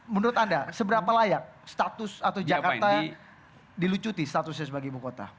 menurut anda seberapa layak status atau jakarta dilucuti statusnya sebagai ibu kota